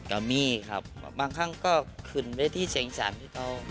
ก็มีครับบางครั้งก็คืนไปที่แสงซาที่เกิด